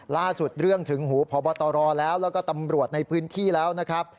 เรื่องถึงหูพบตรแล้วแล้วก็ตำรวจในพื้นที่แล้วนะครับ